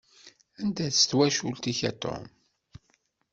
Anda-tt twacult-ik a Tom?